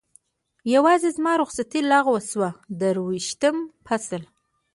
یوازې زما رخصتي لغوه شوه، درویشتم فصل.